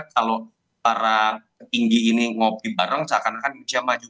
kalau para petinggi ini ngopi bareng seakan akan indonesia maju